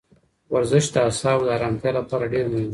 ورزش د اعصابو د ارامتیا لپاره ډېر مهم دی.